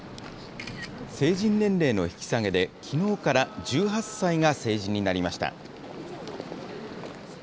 成人年齢の引き下げで、きのうから１８歳が成人になりました。